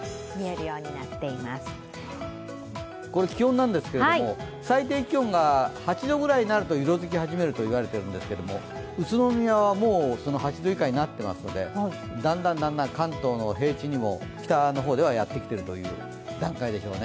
気温ですけれども、最低気温が８度くらいになると色づき始め取ると言われているんですけれども、宇都宮はもう８度以下になっていますのでだんだん関東の平地にも北の方ではやってきている段階でしょうね。